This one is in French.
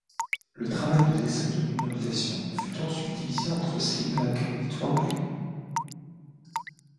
Le travail de dessin et de numérisation fut ensuite divisé entre Slimbach et Twombly.